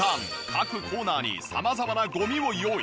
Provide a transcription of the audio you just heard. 各コーナーに様々なゴミを用意。